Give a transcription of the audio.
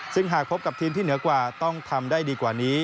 ซึ่งหากพบกับทีมที่เหนือกว่าต้องทำได้ดีกว่านี้